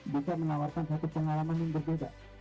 bisa menawarkan satu pengalaman yang berbeda